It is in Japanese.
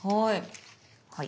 はい。